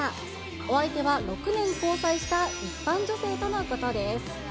お相手は６年交際した一般女性とのことです。